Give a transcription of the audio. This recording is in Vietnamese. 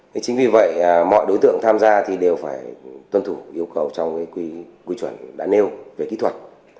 thế chính vì vậy mọi đối tượng tham gia thì đều phải tuân thủ yêu cầu trong cái quy chuẩn đã nêu về kỹ thuật